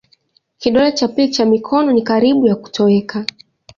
Kidole cha pili cha mikono ni karibu ya kutoweka.